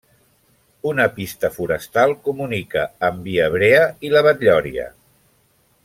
Una pista forestal comunica amb Viabrea i la Batllòria.